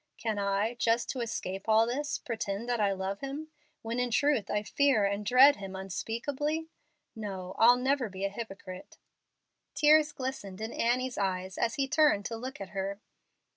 Can I, just to escape all this, pretend that I love Him, when in truth I fear and dread Him unspeakably? No, I'll never be a hypocrite." Tears glistened in Annie's eyes as he turned to look at her.